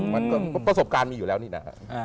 ประสบการณ์มีอยู่แล้วนี่นะฮะ